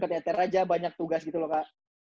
ternyata aja banyak tugas gitu loh kak